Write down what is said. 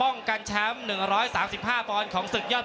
รอคะแนนจากอาจารย์สมาร์ทจันทร์คล้อยสักครู่หนึ่งนะครับ